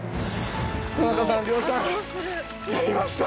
田中さん亮さんやりました！